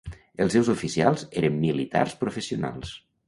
Els seus oficials eren militars professionals.